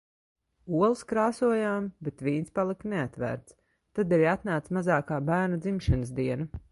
Olas krāsojām, bet vīns palika neatvērts. Tad arī atnāca mazākā bērna dzimšanas diena.